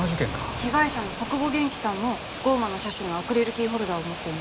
被害者の小久保元気さんも『降魔の射手』のアクリルキーホルダーを持っていました。